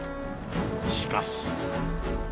しかし。